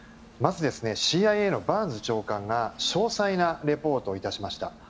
まず、ＣＩＡのバーンズ長官が詳細なレポートを致しました。